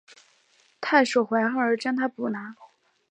太守怀恨而将他捕拿。